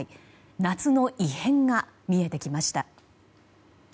夏の異変が見えてきました。